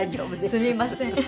すみません。